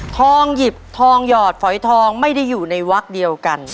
ทองหยิบทองหยอดฝอยทองไม่ได้อยู่ในวักเดียวกัน